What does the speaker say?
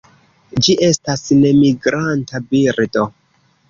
Ĝi estas nemigranta birdo.